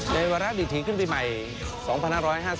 ในวันราชดีที่ขึ้นปีใหม่๒๕๕๙นะครับ